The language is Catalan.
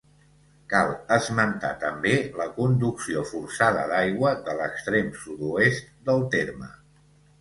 Cal esmentar també la conducció forçada d'aigua de l'extrem sud-oest del terme.